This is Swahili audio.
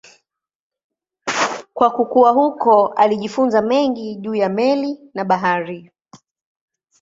Kwa kukua huko alijifunza mengi juu ya meli na bahari.